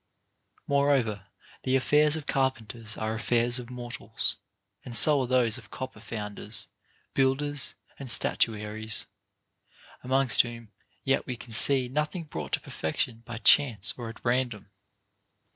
4. Moreover, the affairs of carpenters are affairs of mor tals, and so are those of copper founders, builders, and statuaries ; amongst whom yet Ave can see nothing brought to perfection by chance or at random.